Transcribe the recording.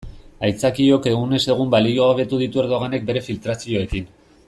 Aitzakiok egunez egun baliogabetu ditu Erdoganek bere filtrazioekin.